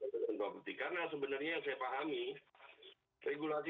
sebetulnya untuk legalitas dari penyedia platform robot crypto mark ai ini